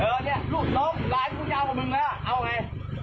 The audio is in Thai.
เนี่ยลูกน้องหลานกูยาวกว่ามึงแล้วเอาไง